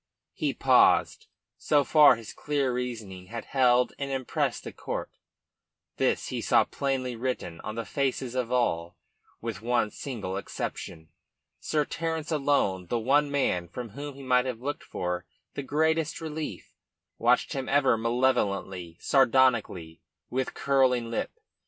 He paused. So far his clear reasoning had held and impressed the court. This he saw plainly written on the faces of all with one single exception. Sir Terence alone the one man from whom he might have looked for the greatest relief watched him ever malevolently, sardonically, with curling lip.